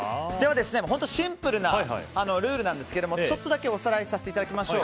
本当シンプルなルールなんですがちょっとだけおさらいさせてもらいましょう。